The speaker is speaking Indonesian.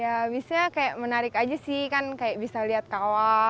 ya habisnya kayak menarik aja sih kan kayak bisa lihat kawah